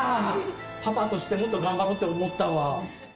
パパとしてもっと頑張ろうって思ったわ。